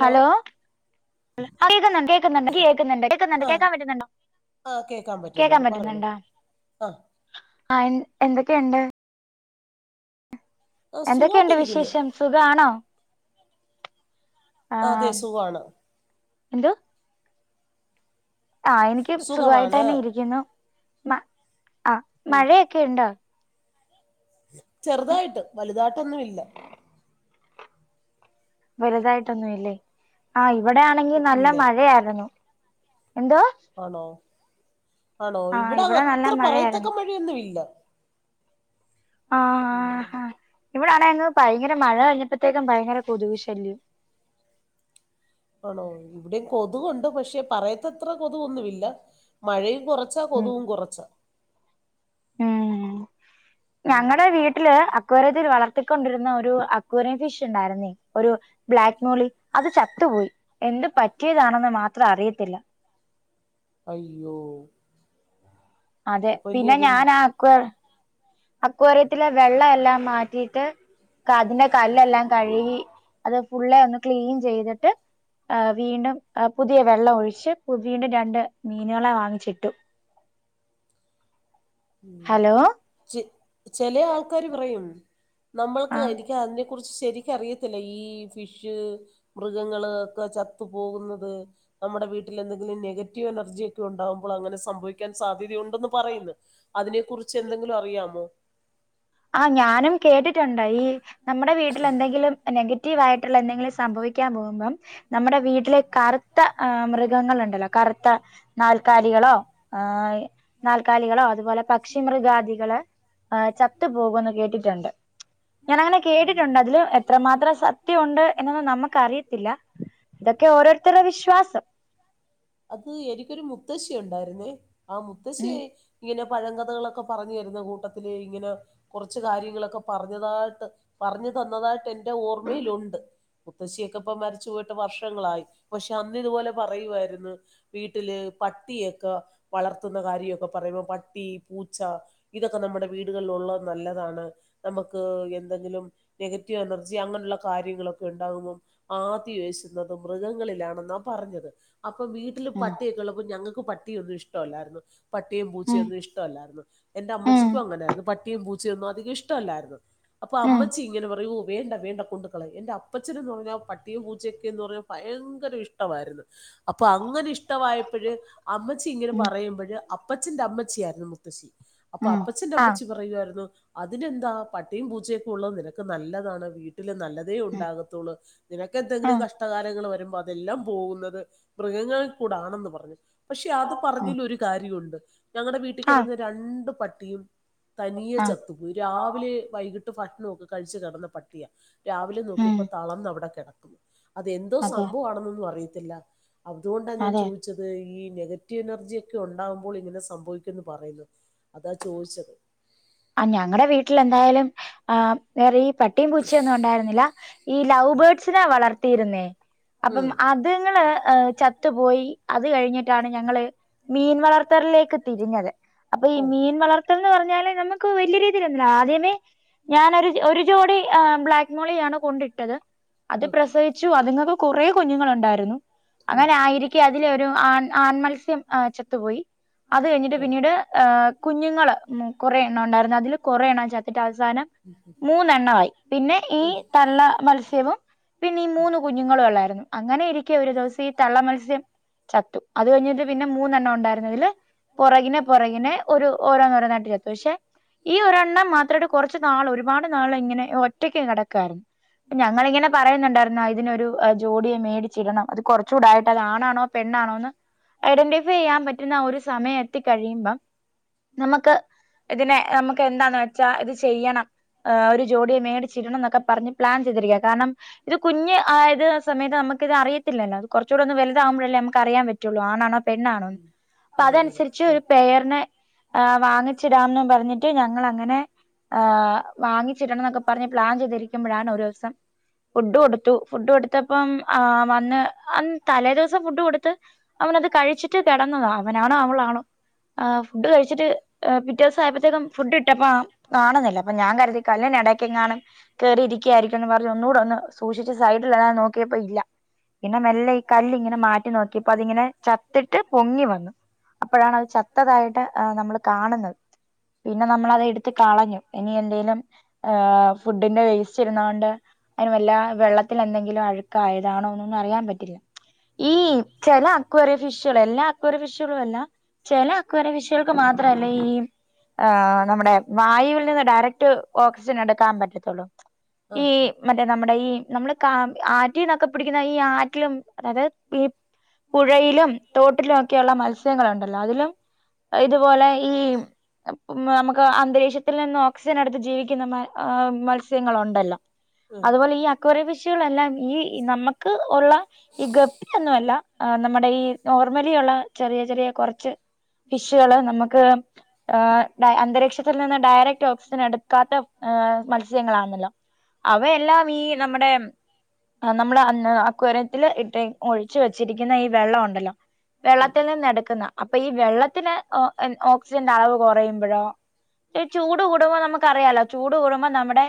Hello കേക്കുന്നുണ്ട് കേക്കുന്നുണ്ട് ഇൻകേക്കുന്നുണ്ട് കേക്കുന്നുണ്ട് ആഹ് കേൾക്കാൻ പറ്റുന്നുണ്ടോ? ആഹ് കേക്കാൻ പറ്റുന്നുണ്ട് പറഞൊളു ആഹ് ആഹ് എൻ എന്തൊക്കെയുണ്ട്? ആഹ് എന്തൊക്കെയുണ്ട് സുഖായിട്ടിരിക്കുന്നു വിശേഷം സുഖാണോ? ആ അതെ സുഖാണ് എന്തോ ആഹ് എനിക്കും സുഖമാണ് സുഖമായിട്ടന്നെ ഇരിക്കുന്നു മ ആ മഴയൊക്കെ ഇണ്ടോ ചെർതായിട്ട് വലുതാട്ടൊന്നും ഇല്ല വലുതായിട്ടൊന്നും ഇല്ലേ ആഹ് ഇവിടെയാണെങ്കി നല്ല ഇല്ലേ മഴയാരുന്നു എന്തോ ആണോ ആണോ ആ ഇവിടെ നല്ല അത്ര പറയത്തക്ക മഴയായിരുന്നു മഴയൊന്നും ഇല്ല ആഹ് ഹാഹ് ഇവിടെ ആണന്ന് ഭയങ്കര മഴ കഴിഞ്ഞപ്പോഴത്തേക്കും ഭയങ്കര കൊതുക് ശല്യം ആണോ ഇവിടെയും കൊതുകുണ്ട് പക്ഷെ പറയത്തത്ര കൊതുകൊന്നുമില്ല മഴയും കുറ ച്ചാ ഉം കൊതുകും കുറച്ചാ ഉം ഉം ഞങ്ങടെ വീട്ടില് അ ആക്വറിയത്തിൽ വളർത്തിക്കൊണ്ടിരുന്ന ഒരു അക്കൂറിയൻ ഫിഷ് ഉണ്ടായിരുന്നെ ഒരു ബ്ലാക്ക് മോളി അത് ചത്തുപോയി എന്ത് പറ്റിയതാണെന്ന് മാത്രം അറിയത്തില്ല അയ്യോ അതെ അപ്പൊ ഇനി പിന്നെ അതെന്ത് ഞാൻ ആ അക്വർ അക്വറിയത്തിലെ വെള്ളം എല്ലാം മാറ്റി യിട്ട് കതിന്റെ കല്ലെല്ലാം കഴുകി അത് ഫുള്ളെ ഒന്ന് ക്ലീൻ ചെയ്തിട്ട് ആഹ് വീണ്ടും ആ പുതിയ വെള്ളം ഒഴിച്ച് പുതീനെ രണ്ട് മീനുകളെ വാങ്ങിച്ചിട്ടു ഉം ഹലോ ച്ചി ചെലെ ആൾക്കാര് പറയും നമ്മൾക്ക് ആ എനിക്ക് അന്നി കുറിച്ച് ശരിക്കറിയത്തില്ല ഈ ഫിഷ് മൃഗങ്ങള് ഒക്കെ ചത്തു പോകുന്നത് നമ്മുടെ വീട്ടിൽ എന്തെങ്കിലും നെഗറ്റീവ് എനർജിയൊക്കെ ഉണ്ടകുമ്പോൾ അങ്ങനെ സംവിക്കാൻ സാധ്യതയുൺ ണ്ടെന്ന് പറയുന്നു അതിനെ കുറിച്ച് എന്തെങ്കിലും അറിയാമോ? ആഹ് ഞാനും കേട്ടിട്ടുണ്ട് ഈ നമ്മുടെ വീട്ടിൽ എന്തെങ്കിലും നെഗറ്റീവ് ആയിട്ടുള്ള എന്തെങ്കിലും സംഭവിക്ക ക്കാൻ പോകുമ്പം നമ്മുടെ വീട്ടിലെ കറുത്ത ആഹ് മൃഗങ്ങൾ ഉണ്ടല്ലോ കറുത്ത നാൽക്കാലികളോ ഏഹ് നാൽക്കാലികളോ അതുപോലെ പക്ഷി മൃഗാദികള് ആഹ് ചത്തു പോകുന്ന് കേട്ടിട്ടുണ്ട് ഞാനങ്ങനെ കേട്ടിട്ടുണ്ട് അതില് എത്രമാത്രം സത്യംഉണ്ട് എന്നൊന്നും നമുക്ക് അറിയത്തില്ല ഇതക്കെ ഓരോരുത്തരുടെ വിശ്വാസം അത് എനിക്കൊരു മുത്തശ്ശി ഉണ്ടായിരുന്നേ ആ ഉം മുത്തശ്ശിയ ഇങ്ങനെ പഴങ്കഥകളൊക്കെ പ്പ പറഞ്ഞു തരുന്ന കൂട്ടത്തിൽ ഇങ്ങനെ കുറച്ച് കാര്യങ്ങളൊക്കെ പറഞ്ഞതായിട്ട് പറഞ്ഞു തന്നതായിട്ട് എൻറെ ഓർമ്മയിലുണ്ട് മുത്തശ്ശിയൊക്കെ ഇപ്പ മരിച്ചു പോയിട്ട് വർഷങ്ങളായി പക്ഷെ അന്ന് ഇതുപോലെ പറയുവായിരുന്നു വീട്ടില് പട്ടിയൊക്കെ വളർത്തുന്ന കാര്യൊക്കെ പറയുമ്പോ പട്ടി പൂച്ച ഇതൊക്കെ നമ്മുടെ വീടുകളിലുള്ളത് നല്ലതാണ് നമുക്ക് എന്തെങ്കിലും നെഗറ്റീവ് എനർജി അങ്ങനെയുള്ള കാര്യങ്ങളൊക്കെ ഉണ്ടാകുമ്പോൾ ആദ്യ ഏശുന്നത് മൃഗങ്ങളിലാണെന്നാ പറഞ്ഞത് അപ്പം വീട്ട ട്ടില് ഉം പട്ടിയൊക്കെ ഉള്ളപ്പോ ഞങ്ങൾക്ക് പട്ടിയൊന്നും ഇഷ്ടല്ലായിരുന്നു പട്ടിയും ഉം പൂച്ചയൊന്നും ഇഷ്ടല്ലായിരുന്നു എന്റെ ഉം അമ്മച്ചിക്കും അങ്ങനായിരുന്നു പട്ടിയും പൂച്ചയൊന്നും അധികം ഇഷ്ടല്ലായിരുന്നു അപ്പൊ ഉം അമ്മച്ചി ഇങ്ങനെ പറയും ഓഹ് വേണ്ട വേണ്ട കൊണ്ട കളയ എന്റെ അപ്പച്ചനന്ന് പറഞ്ഞൽ പട്ടിയും പൂച്ചയൊക്കെ എന്ന് പറഞാ ഭയങ്കര ഇഷ്ടവായിരുന്നു അപ്പൊ അങ്ങനെ ഇഷ്ടമായപ്പഴ് അമ്മച്ചി ഇങ്ങനെ ഉം പറയുമ്പഴ് അപ്പച്ചന്റെ അമ്മച്ചിയിരുന്നു മുത്തശ്ശി അപ്പൊ ഉം അപ്പച്ചന്റെ ആഹ് അമ്മച്ചി പറയുവായിരുന്നു അതിനെന്താ പട്ടിയും പൂച്ചയൊക്കെ ഉള്ളത് നിനക്ക് നല്ലതാണ് വീട്ടില് നല്ലത് ഉം ഉണ്ടാകത്തുള്ളൂ നിനക്കെന്തെങ്കിലും ഉം കഷ്ടകാലങ്ങൾ വരുമ്പോ അതെല്ലാം പോകുന്നത് മൃഗങ്ങൾ കൂടാണെന്ന് പറഞ്ഞു പക്ഷെ അത് ഉം പറഞ്ഞല് ഒരു കാര്യവുണ്ട് ഞങ്ങളുടെ വീട്ടിൽ ആഹ് കിടന്ന രണ്ടു രണ്ട് പട്ടിയും തനിയെ ആഹ് ചത്തു പോയി രാവിലെ വൈകിട്ട് ഭക്ഷണമൊക്കെ കഴിച്ചു കിടന്ന പട്ടി ട്ടിയാ രാവിലെ ഉം നോക്കിയപ്പോ തളർന്ന് അവിടെ കിടക്കുന്നു അതെന്തോ അതെ സംഭവമാണെന്നൊന്നും അറിയത്തില്ല അതുകൊണ്ടാ ഞാൻ അതെ ചോദിച്ചത് ഈ നെഗറ്റീവ് എനർജി ഒക്കെ ഉണ്ടാവുമ്പോൾ ഇങ്ങനെ സംഭവിക്കുന്ന് പറയുന്നു അതാ ചോദിച്ചത് ആഹ് ഞങ്ങടെ വീട്ടിൽ എന്തായാലും ആഹ് വേറെ ഈ പ ട്ടിയും പൂച്ചയൊന്നും ഉണ്ടായിരുന്നില്ല ഈ ലവ് ബേർഡ്സിനെ വളർത്തിയിരുന്നേ അപ്പം ഉം അതുങ്ങള് ഏഹ് ചത്തുപോയി അത് കഴിഞ്ഞിട്ടാണ് ഞങ്ങള് മീൻ വളർത്തലിലേക്ക് തിരിഞ്ഞത് അപ്പൊ ഈ ഓ മീൻ വളർത്തൽന്ന് പറഞ്ഞാല് നമ്മ ക്ക് വലിയ രീതിയിലൊന്നും ഇല്ല ആദ്യമേ ഞാനൊരു ഒരു ജോടി ബ്ലാക്ക് മോളിയാണ് കൊണ്ടിട്ടത് അത് ഉം. പ്രസവിച്ചു അതുങ്ങക്ക് കുറെ കുഞ്ഞുങ്ങൾ ഉണ്ടായിരുന്നു അങ്ങനെ ആയിരി ക്കെ അതിലെ ഒരു ആ ആൺമത്സ്യം ചത്തുപോയി അത് കഴിഞ്ഞിട്ട് പിന്നീട് ഏഹ് കുഞ്ഞുങ്ങള് കുറെ എണ്ണം ഉണ്ടായിരുന്നു അതില് കൊറെ എണ്ണം ചത്തിട്ട് അവസാനം മൂന്നെണ്ണമായി പിന്നെ ഈ തള്ള മത്സ്യവും പിന്നെ ഈ മൂന്ന് കുഞ്ഞുങ്ങളും ഉള്ളായിരുന്നു അങ്ങനെ ഇരിക്കെ ഒരു ദിവസം ഈ തള്ള മത്സ്യം ചത്തു അത് കഴിഞ്ഞിട്ട് പിന്നെ മൂന്നെണ്ണം ഉണ്ടായിരുന്നതില് പുറകിനെ പുറകിനെ ഒരു ഓരോന്നോരോണ് [unintelligible] പക്ഷെ ഈ ഒരെണ്ണം മാത്രമായിട്ട് കുറച്ച് നാള് ഒരുപാട് നാള് ഇങ്ങനെ ഒറ്റക്ക് കിടക്കായിരുന്നു. ഞങ്ങിങ്ങനെ പറയുന്നുണ്ടായിരുന്നോ അതിനൊരു ജോഡിയെ മേടിച്ചിടണം അത് കുറച്ചൂടായിട്ട് അണാണോ പെണ്ണാണോന്ന് ഐഡന്റിഫൈ ചെയ്യാൻ പറ്റുന്ന ഒരു സമയം എത്തി കഴിയുമ്പം നമുക്ക് പെ ഇതിനെ നമുക്ക് എന്താന്ന് വെച്ചാ ഇത് ചെയ്യണം ആ ഒരു ജോഡിയെ മേടിച്ചിടണം എന്നൊക്കെ പറഞ്ഞ് പ്ലാൻ ചെയ്തിരിക്കുക കാരണം ഇത് കുഞ് ആയത് സമയത്ത് നമുക്ക് ഇത് അറിയത്തില്ലോ കുറച്ചൂന്ന് വലതകുമ്പോഴല്ലേ നമക്ക് അറിയാൻ പറ്റു ട്ടള്ളൂ ആണാണോ പെണ്ണാണോ അതെ അതെ അതനുസരിച്ച് ഉം. ഒരു പേയറിനെ വാങ്ങി ച്ചിടാംന്ന് പറഞ്ഞിട്ട് ഞങ്ങൾ അങ്ങനെ ആ് വാങ്ങിച്ചിടണം എന്നൊക്കെ പറഞ്ഞ് പ്ലാൻ ചെയ്തിരിക്കുമ്പോഴാണ് ഒരു ദിവസം ഫുഡ് കൊടുത്തു ഫുഡ് കൊടുത്തപ്പം ആ വന്ന് തലേ ദിവസം ഫുഡ് കൊടുത്ത് അവനത് കഴിച്ചിട്ട് കിടന്നതാ അവനാണോ അവളാണോ ആ ഫുഡ് കഴിച്ചിട്ട് ഹ് പിറ്റേ ദിവസം ആയപ്പോഴത്തേക്കും ഫുഡ്ട്ടപ്പ കാണുന്നില്ല അപ്പൊ ഞാൻ കരുതി കല്ലിനെ ഇടക്കെ കാണും കയറിയിരിക്കുകയായിരിക്കും എന്ന് പറഞ്ഞ് ഒന്നുകൂടെ ഒന്ന് സൂക്ഷിച്ച് സൈഡിൽഎല്ലാം നോക്കിയപ്പോൾ ഇല്ല. പിന്നെ മെല്ലെ ഈ കല്ല് ഇങ്ങനെ മാറ്റി നോക്കിപ്പോൊഅതിങ്ങനെ ചത്തിട്ട് പൊങ്ങി വന്നു. അപ്പോഴാണ് അത് ചത്തതായിട്ട് നമ്മൾ കാണുന്നത്. പിന്നെ നമ്മൾ അത് എടുത്ത് കളഞ്ഞു ഇനി എന്തേലും ഹേ ഫുഡിന്റെ വേസ്റ്റ് ഇരുന്നത് കൊണ്ട് അതിനുവെല്ല വെള്ളത്തിലെന്തെങ്കിലു അഴുക്കായതാണോന്നൊന്നും അറിയാൻ പറ്റില്ല. ഈ [inaudible] ചെല അക്വറി ഫിഷുകൾ എല്ലാ അക്വറി ഫിഷുകളു അല്ല ചെല അക്വറി ഫിഷുകൾക്ക് മാ ത്രല്ലേ ഈ ആ നമ്മുടെ വായുവിൽ നിന്ന് ഡയറക്ട് ഓക്സിജൻ എടുക്കാൻ പറ്റത്തുള്ളൂ ആ ഈ ആ. മറ്റെ നമ്മുടെ ഈ നമ്മള് കാ ആറ്റിന്നൊക്കെ പിടിക്കുന്ന ഈ ആറ്റിലും അതായത് [unintelligible] പുഴയിലും തോട്ടിലു ഒക്കെയുള്ള മത്സ്യങ്ങളുണ്ടല്ലോ അതിലും ഇത് പോലെ ഈ നമുക്ക് അന്തരീക്ഷത്തിൽ നിന്ന് ഓക്സിജൻ എടുത്ത് ജീവിക്കുന്ന മൽ മത്സ്യങ്ങളുണ്ടല്ലോ അതുപോലെ ഈ അക്വറി വിഷികളെല്ലാം ഈ നമ്മക്ക് ഉള്ള ഈ ഗപ്പിയൊന്നല്ല എ നമ്മുടെ ഈ നോർമലിയുള്ള ചെറിയ ചെറിയ കൊർച്ച് [inaudible] കള് നമ്മക്ക് എ അന്തരീക്ഷത്തിൽ നിന്ന് ഡയറക്ട് ഓക്സിജൻ എടുക്കാത്ത മത്സ്യങ്ങളാണല്ലോ അവയെല്ലാം ഈ നമ്മുടെ ആ നമ്മള് അന്ന് ആക്വറത്തിൽ ഇട്ട് ഒഴിച്ചു വെച്ചിരിക്കുന്ന ഈ വെള്ളം ഉണ്ടല്ലോ വെള്ളത്തിൽ നിന്ന് എടുക്കുന്ന അപ്പൊ ഈ വെള്ളത്തിന് ഒ ഓക്സിജന്റെ അളവ് കൊറയുമ്പഴോ ഈ ചൂട് കൂടുമ്പോൾ നമ്മക്കറിയാലോ ചൂട് കൂടുമ്പോ നമ്മുടെ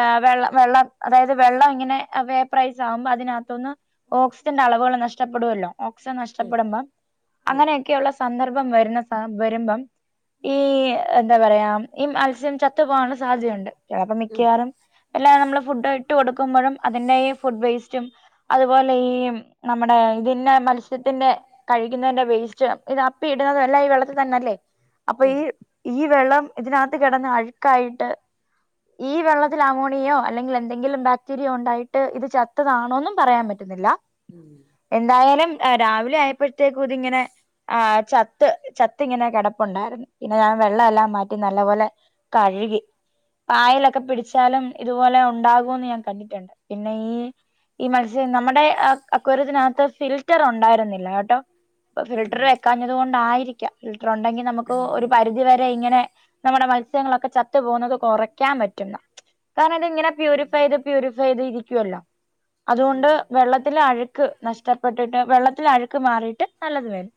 എ വെള്ളം വെള്ളം അതായത് വെള്ളം ഇങ്ങനെ വേപ്ര്രയ്സ് ആവുമ്പോ അതിനകത്തൊന്ന് ഓക്സിജന്റെ അളവുകൾ നഷ്ടപ്പെടുവല്ലോ ഓക്സിജൻ ഉം, ഉം, നഷ്ടപ്പെടുമ്പം അങ്ങനെയൊക്കെയുള്ള സന്ദർഭം വരുന്ന സ വരുമ്പം ഈ എന്താ പറയാ ഈ മത്സ്യം ചത്തു പോകാനുള്ള സാധ്യതയുണ്ട് ചെലപ്പം മിക്കവാറും എല്ലാ നമ്മള് ഫുഡ് ഇട്ട് കൊടുക്കുമ്പഴും അതിന്റെ ഈ ഫുഡ് വേസ്റ്റും അതുപോലെ ഈ നമ്മടെ ഇതിന്റെ മത്സ്യത്തിന്റെ കഴിക്കുന്നന്റെ വേസ്റ്റ് ഇത് അപ്പി ഇടു എല്ലാം ഈ വെള്ള ണല്ലേ അപ്പൊ ഈ ഉം, ഈ വെള്ളം ഇതിനകത്ത് കെടന്ന് അഴുക്കായിട്ട് ഈ വെള്ളത്തിൽ അമോണിയയോ അല്ലെങ്കിൽ എന്തെങ്കിലും ബാക്ടീരിയോ ഉണ്ടായിട്ട് ഇത് ചത്തതാണോന്നും പറയാൻ പറ്റില്ല. [unintelligible] ഉം എന്തായാലും രാവിലെ ആയപ്പഴത്തേക്കും ഇതിങ്ങനെ ആ ചത്ത് ചത് ത്തിങ്ങനെ കിടപ്പുണ്ടായിരുന്നു പിന്നെ ഞാൻ വെള്ളം എല്ലാം മാറ്റി നല്ലപോലെ കഴുകി പായലൊക്കെ പിടിച്ചാലും ഇതുപോലെ ഉണ്ടാകുന്ന് ഞാൻ കണ്ടിട്ടുണ്ട് പിന്നെ ഈ ഈ മത്സ്യം നമ്മുടെ അക്വറിയത്തിനകത്ത് ഫിൽറ്റർ ഉണ്ടായിരുന്നില്ല കേട്ടോ ഇപ്പ ഉം. ഫിൽട്ടർ വെക്കാഞ്ഞത് കൊണ്ടായിരിക്കാം ഫിൽട്ടർ ഉണ്ടെങ്കിൽ നമുക്ക് ഒരു പരിധി വരെ ഇങ്ങനെ നമ്മുടെ മത്സ്യങ്ങളൊക്കെ ചത്തു പോകുന്നത് കൊറയ്ക്കാൻ പറ്റുന്ന കാരണം ഇത് ഇങ്ങനെ പ്യൂരിഫൈ ചെയ്ത് പ്യൂരിഫൈ ചെയ്ത് ഇരിക്കുവല്ലോ അതുകൊണ്ട് വെള്ളത്തിലെ അഴുക്ക് നഷ്ടപ്പെട്ടിട്ട് വെള്ളത്തിലെ അഴുക്ക് മാറിട്ട് നല്ലത് വരും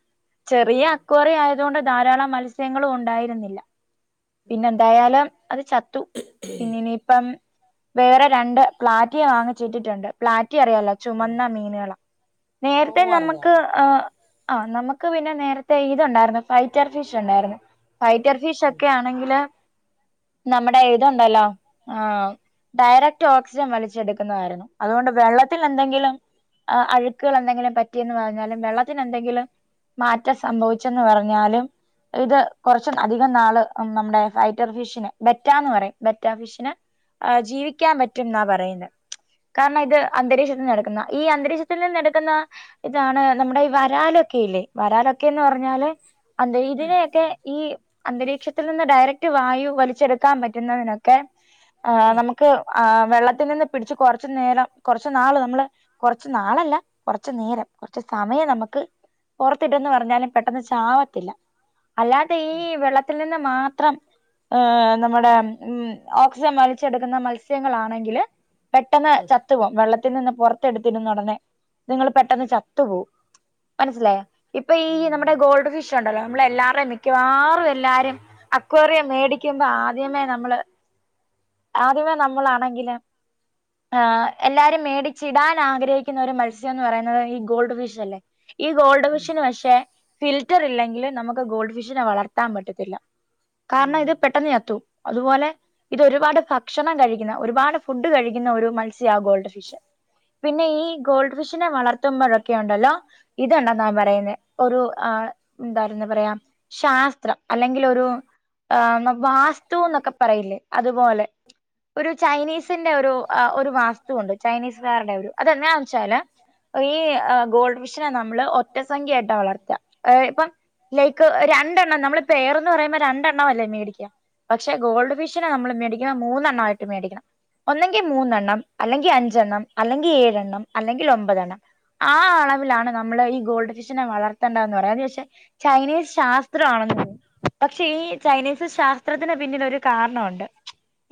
ചെറിയ അക്വറിയം ആയതൊണ്ട് ധാരാളം മത്സ്യങ്ങളും ഉണ്ടായിരുന്നില്ല പിന്നെ എന്തായാലും അത് ചത്തു പിന്നനിപ്പം വേറെ രണ്ട് പ്ലാറ്റിയെ വാങ്ങിച്ചിട്ടിട്ടുണ്ട് പ്ലാറ്റി അറിയാലോ ചുമന്ന മീനുകള ഓ നേരത്തെ അറിയാം നമ്മക്ക് അറിയാം ആ അ നമ്മക്ക് പിന്നെ നേരത്തെ ഇതുണ്ടായിരുന്നു ഫൈറ്റർ ഫിഷ് ഉണ്ടായിരുന്നു ഫൈറ്റർ ഫിഷ് ഒക്കെ ആണെങ്കില് നമ്മടെ ഇതുണ്ടല്ലോ ആഹ ഡയറക്ട് ഓക്സിജൻ വലിച്ചെടുക്കുന്നതായിരുന്നു അതുകൊണ്ട് വെള്ളത്തിൽ എന്തെങ്കിലും അ അഴുക്കുകൾ എന്തെങ്കിലും പറ്റിയെന്ന് പറഞ്ഞാലും വെള്ളത്തിന് എന്തെങ്കിലും മാറ്റം സംഭവിച്ചെന്ന് പറഞ്ഞു എന്നാലും ഇത് കൊറച്ച അധികം നാള് നമ്മുടെ ഫൈറ്റർ ഫിഷിനെ ബെറ്റന്ന് പറയും ബെറ്റ ഫിഷിന ജീവിക്കാൻ പറ്റുംന്നാ പറയുന്ന കാരണം ഇത് അന്തരീക്ഷത്തിൽ നടക്കുന്ന ഈ അന്തരീക്ഷത്തിൽ നിന്നെടുക്കുന്ന ഇതാണ് നമ്മുടെ ഈ വരാലൊക്കെ ഇല്ലേ വരാലൊക്കെന്ന് പറഞ്ഞാല് അന്തരീക്ഷതിനെ ഒക്കെ ഈ അന്തരീക്ഷത്തിൽ നിന്ന് ഡയറക്ട് വായു വലിച്ചെടുക്കാൻ പറ്റുന്നതിനൊക്കെ ആഹ് നമുക്ക് ആ വെള്ളത്തിൽ നിന്ന് പിടിച്ച് കൊറച്ചു നേരം കുറച്ച് നാള് നമ്മള് കുറച്ച് നാളല്ല കൊറച്ചു നേരം കുറച്ച് സമയം നമുക്ക് പുറത്തിട്ടന്ന് പറഞ്ഞാലും പെട്ടെന്ന് ചാവ ത്തില്ല അല്ലാതെ ഈ വെള്ളത്തിൽ നിന്ന് മാത്രം ഏഹ് നമ്മുടെ ഉം ഓക്സിജൻ വലിച്ചെടുക്കുന്ന മത്സ്യങ്ങളാണെങ്കില് പെട്ടെന്ന് ചത്തു ചത്തു പോകും വെള്ളത്തിൽ നിന്ന് പുറത്ത് എടുത്തിടുന്നഉടനെ അത്ങ്ങള്പെട്ടന്ന് ചത്തു പോവും മനസ്സിലായ ഇപ്പൊ ഈ നമ്മുടെ ഗോൾഡ് ഫിഷ് ഉണ്ടല്ലോ നമ്മള എല്ലാരുടെയും മിക്കവാറും എല്ലാരും അക്വേറിയം മേടിക്കുമ്പോ ആദ്യമേ നമ്മള് ആദ്യമേ നമ്മളാണെങ്കില് ആഹ് എല്ലാരും മേടിച്ചിടാൻ ആഗ്രഹിക്കുന്ന ഒരു മത്സ്യം എന്ന് പറയുന്നത് ഈ ഗോൾഡ് ഫിഷ് അല്ലേ ഈ ഗോൾഡ് ഫിഷിന് പക്ഷെ ഫിൽ റ്റർ ഇല്ലെങ്കിൽ നമുക്ക് ഗോൾഡ് ഫിഷിനെ വളർത്താൻ പറ്റത്തില്ല കാരണം ഇത് പെട്ടെന്ന് ചത്തു അതുപോലെ ഇതൊരുപാട് ഭക്ഷണം കഴിക്കുന്ന ഒരുപാട് ഫുഡ് കഴിക്കുന്ന ഒരു മത്സ്യവും ഗോൾഡ് ഫിഷ് പിന്നെ ഈ ഗോൾഡ് ഫിഷിനെ വളർത്തുമ്പോഴൊക്കെ ഉണ്ടല്ലോ ഇത് ഉണ്ടെന്ന് ആണ് പറയുന്ന ഒരു ആള് എന്തായിരുന്നു പറയാ ശാസ്ത്രം അല്ലെങ്കിൽ ഒരു ആഹ് വാസ്തു എന്നൊക്കെ പറയില്ലേ അതുപോലെ ഒരു ചൈനീസിന്റെ ഒരു ഒരു വാസ്തുവുണ്ട് ചൈനീസ് വേരുടെ ഒരു അതന്താ വെച്ചാല് ഈ ഗോൾഡ് ഫിഷിനെ നമ്മള് ഒറ്റസംഖ്യയായിട്ടാ വളർത്തുക ഇപ്പം ലൈക്ക് രണ്ടെണ്ണം നമ്മള് പെയർന്ന് പറയുമ്പോ രണ്ടെണ്ണം അല്ലേ മേടിക്ക പക്ഷെ ഗോൾഡ് ഫിഷിനെ നമ്മള് മേടിക്കുന്ന മൂന്നെണ്ണായിട്ട് മേടിക്കണം ഒന്നെങ്കിൽ മൂന്നെണ്ണം അല്ലെങ്കി അഞ്ചെണ്ണം അല്ലെങ്കി ഏഴെണ്ണം അല്ലെങ്കി ഒമ്പതെണ്ണം ആ. അളവിലാണ് നമ്മള് ഈ ഗോൾഡ് ഫിഷിനെ വളർത്തേണ്ട എന്ന് പറ അത് പക്ഷെ ചൈനീസ് ശാസ്ത്രമാണെന്ന് പക്ഷെ ഈ ചൈനീസ് ശാസ്ത്രത്തിന് പിന്നിൽ ഒരു കാരണവുണ്ട്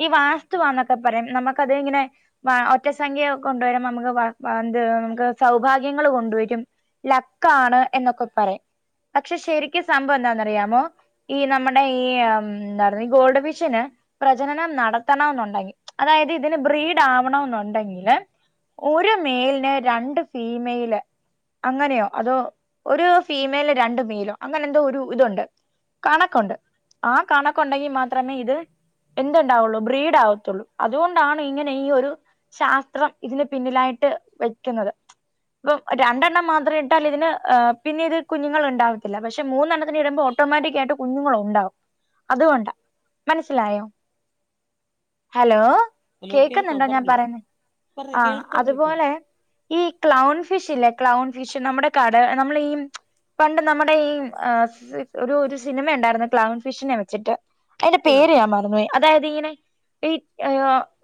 ഈ വാസ്തു വന്ന താ പറയാ നമുക്കു അത് ഇങ്ങനെ വ ഒറ്റസംഖ്യ കൊണ്ടുവരുമ്പോ നമുക്ക് പ പാന്ത് നമുക്ക് സൗഭാഗ്യങ്ങള് കൊണ്ടുവരും ലക്കാണ് എന്നൊക്കെ പറയും പക്ഷെ ശരിക്കും സംഭവം എന്താന്നറിയാമോ ഈ നമ്മുടെ ഈ എന്താ ഗോൾഡ് ഫിഷിന് പ്രചനനം നടത്തണോന്നുണ്ടെങ്കി അതായത് ഇതിന് ബ്രീഡ് ആവണം എന്നുണ്ടെങ്കില് ഒരു മെയിലിന് രണ്ട് ഫീമെയില് അങ്ങനെയോ അതോ ഒരൂസ് ഫീമെൽന് രണ്ട് മെയിലോ അങ്ങനെ എന്തോ ഒരു ഇതുണ്ട് കണക്കൊണ്ട് ആ കണക്കൊണ്ടെങ്കി മാത്രമേ ഇത് എന്തുണ്ടാവുള്ളു ബ്രീഡ് ആവത്തൊള്ളൂ അതുകൊണ്ടാണ് ഇങ്ങനെ ഈ ഒരു ശാസ്ത്രം ഇതിന് പിന്നിലായിട്ട് വെക്കുന്നത് ഇപ്പം രണ്ടെണ്ണം മാത്രം ഇട്ടാൽ ഇതിന് ഏ പിന്നെ ഇത് കുഞ്ഞുങ്ങൾ ഉണ്ടാവത്തില്ല പക്ഷെ മൂന്നെണത്തിന് ഇടുമ്പോൾ ഓട്ടോമാറ്റിക്കായിട്ട് കുഞ്ഞുങ്ങളുണ്ടാവും അതുകൊ മനസ്സിലായോ? ഹലോ ഹലോ കേൾക്കാം കേക്കുന്നുണ്ടോ ഞാൻ പറഞ്ഞോ പറയുന്നത് പറഞ്ഞോ ആ കേൾത്തോണ്ടിരിക്കുവാ അതുപോലെ ഈ ക്ലൗൺ ഫിഷ് ഇല്ലേ ക്ലൗൺ ഫിഷ് നമ്മുടെ കാട് നമ്മളീം പണ്ട് നമ്മുടെ ഈ ഒരു ഒരു സിനിമ ഒണ്ടാരുന്നു ക്ലൗൺ ഫിഷിനെ വെച്ചിട്ട് അയിന്റെ ആഹ് പേര് ഞാൻ മറന്നുവേ അതായത് ഇങ്ങനെ ഈ ഏ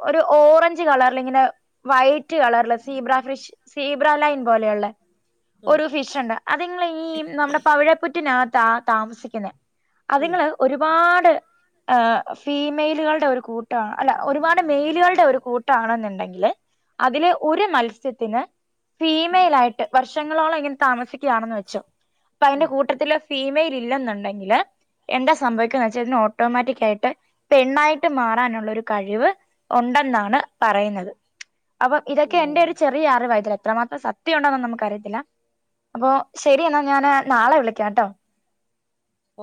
ഒരു ഓറഞ്ച് കളറിലിങ്ങനെ വൈറ്റ് കളറില് സീബ്ര ഫ്രിഷ് സീബ്ര ലൈൻ പോലെയുള്ള ആഹ് ഒരു ഫിഷ് ഉണ്ട് അതുങ്ങള് ഈ നമ്മുടെ പവിഴപ്പുറ്റിനാത്താ താമസിക്കുന്നെ ഉം അതുങ്ങള് ഒരുപാട് ഏ ഫീമെയിലുകളുടെ ഒരു കൂ ട്ടാ അല്ല ഒരുപാട് മെയിലുകളുടെ ഒരു കൂട്ടാണെന്നുണ്ടെങ്കില് അതിലെ ഒരു മത്സ്യത്തിന് ഫീമേലായിട്ട് വർഷങ്ങളോളിങ്ങൻ താമസി ക്യാണെന്ന് വെച്ചോ അപ്പ അയിന്റെ കൂട്ടത്തില് ഫീമെയ്‌ലില്ലെന്നുണ്ടെങ്കില് എന്താ സംഭവിക്കാന്ന് വെച്ച ഇതിന് ഓട്ടോമാറ്റിക് ആയിട്ട് പെണ്ണായിട്ട് മാറാനുള്ളൊരു കഴിവ് ഒണ്ടെന്നാണ് പറയുന്നത്. അപ്പ ഇതൊക്കെ എന്റെ ഒരു ചെറിയ അറിവായിതിലെത്ര മാത്രം സത്യോണ്ടോന്നൊന്നും നമുക്കറിയത്തില്ല അപ്പൊ ശരിയെന്നാ ഞാന് നാളെ വിളിക്കാട്ടോ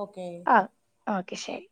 ഓക്കേ ആ ഓക്കെ ശരി